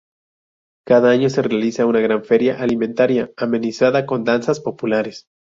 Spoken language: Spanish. Cada año se realiza una gran feria alimentaria, amenizada con danzas populares.